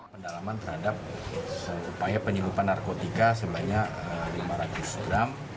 pendalaman terhadap penyelundupan narkotika lima ratus gram